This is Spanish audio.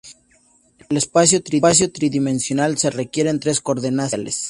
En el espacio tridimensional, se requieren tres coordenadas espaciales.